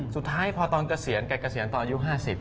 สุดท้ายพอตอนเกษียณแกเกษียณตอนอายุ๕๐